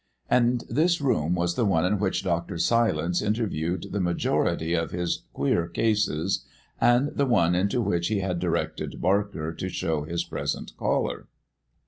And this room was the one in which Dr. Silence interviewed the majority of his "queer" cases, and the one into which he had directed Barker to show his present caller.